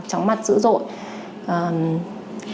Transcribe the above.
tróng mặt dữ dội